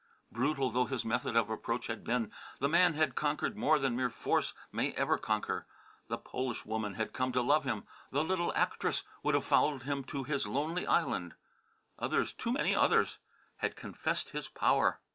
Brutal though his method of approach had been, the man had conquered more than mere force may ever conquer. The Polish woman had come to love him; the little actress would have followed him to his lonely island. Others, too many others, had confessed his power.